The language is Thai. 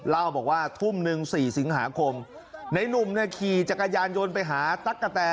เล่าบอกว่าทุ่มหนึ่ง๔สิงหาคมในนุ่มเนี่ยขี่จักรยานยนต์ไปหาตั๊กกะแต